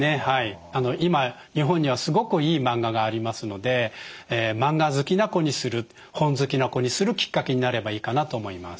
今日本にはすごくいいマンガがありますのでマンガ好きな子にする本好きな子にするきっかけになればいいかなと思います。